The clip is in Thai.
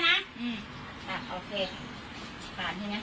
นี่รถไหม